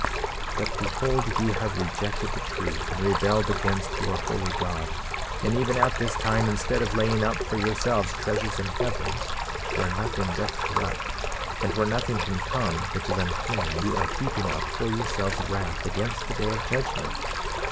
8:25 But behold, ye have rejected the truth, and rebelled against your holy God; and even at this time, instead of laying up for yourselves treasures in heaven, where nothing doth corrupt, and where nothing can come which is unclean, ye are heaping up for yourselves wrath against the day of judgment.